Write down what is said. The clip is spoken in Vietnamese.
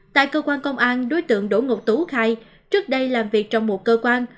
tại cơ quan công an đối tượng đỗ ngọc tú khai trước đây làm việc trong một cơ quan